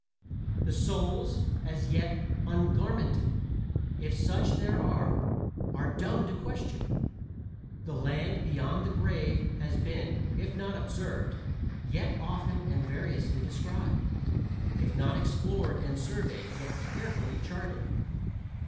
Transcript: "The souls as yet ungarmented," if such there are, are dumb to question. The Land beyond the Grave has been, if not observed, yet often and variously described: if not explored and surveyed, yet carefully charted.